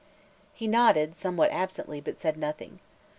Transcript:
He nodded, somewhat absently, but said nothing.